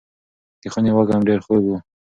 د خونې وږم ډېر خوږ و.